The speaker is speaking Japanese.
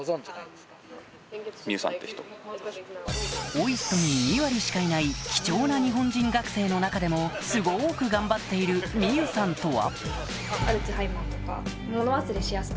ＯＩＳＴに２割しかいない貴重な日本人学生の中でもすごく頑張っているミユさんとは？